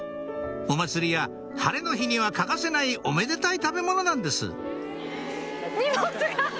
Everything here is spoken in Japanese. お祭りや晴れの日には欠かせないおめでたい食べ物なんです荷物が！